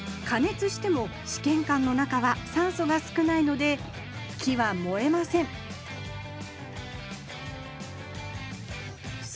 つしてもしけんかんの中は酸素が少ないので木は燃えませんす